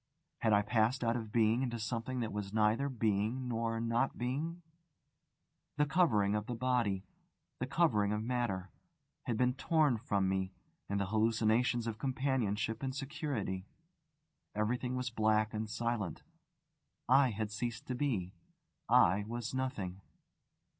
Had I passed out of being into something that was neither being nor not being? The covering of the body, the covering of matter, had been torn from me, and the hallucinations of companionship and security. Everything was black and silent. I had ceased to be. I was nothing.